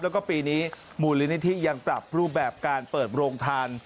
แล้วก็ปีนี้มูลนิธิยังปรับรูปแบบการเปิดโรงทาน